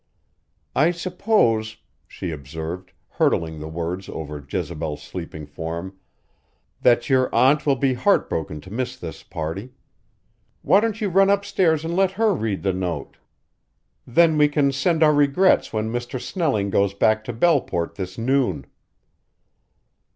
"I suppose," she observed, hurtling the words over Jezebel's sleeping form, "that your aunt will be heartbroken to miss this party. Why don't you run upstairs and let her read the note? Then we can send our regrets when Mr. Snelling goes back to Belleport this noon."